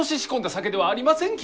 酒ではありませんき！